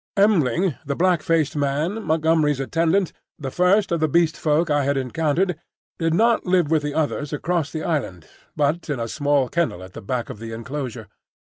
M'ling, the black faced man, Montgomery's attendant, the first of the Beast Folk I had encountered, did not live with the others across the island, but in a small kennel at the back of the enclosure.